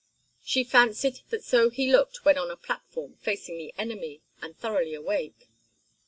She fancied that so he looked when on a platform facing the enemy, and thoroughly awake.